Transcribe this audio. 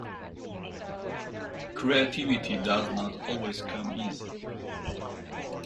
Creativity does not always come easy.